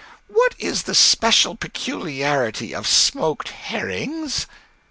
What is the special peculiarity of smoked herrings?"